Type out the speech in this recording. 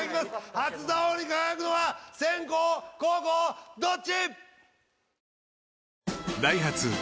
初座王に輝くのは先攻後攻どっち？